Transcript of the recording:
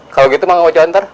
kalau gitu mau jan ntar